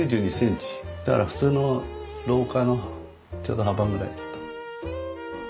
だから普通の廊下のちょうど幅ぐらいだと。